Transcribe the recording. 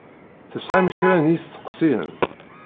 Tesεam kra n yisteqsiyen?